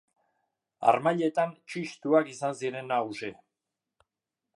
Harmailetan txistuak izan ziren nagusi.